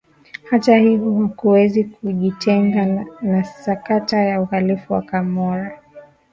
Hata hivyo hakuwezi kujitenga na sakata ya uhalifu ya Camorra